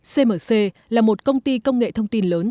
cmc là một công ty công nghệ thông tin